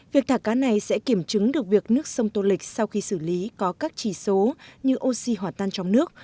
việc thả cá này sẽ kiểm chứng được việc nước sông tô lịch sau khi xử lý có các chỉ số như oxy hỏa tan trong nước